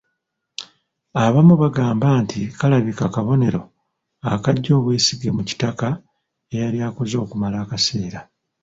Abamu bagamba nti kalabika kabonero akaggya obwesige mu Kitaka eyali akoze okumala akaseera.